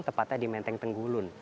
tepatnya di menteng tenggulun